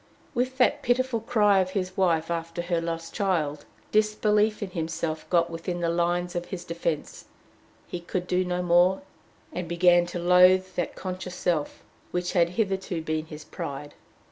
With that pitiful cry of his wife after her lost child, disbelief in himself got within the lines of his defense; he could do no more, and began to loathe that conscious self which had hitherto been his pride.